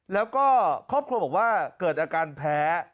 แล้วก็ครอบครัวบอกว่าเกิดอาการแพ้